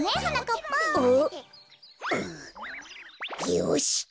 よし！